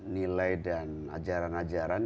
nilai dan ajaran ajaran